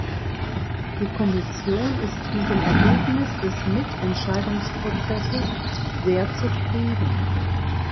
Die Kommission ist mit dem Ergebnis des Mitentscheidungsprozesses sehr zufrieden.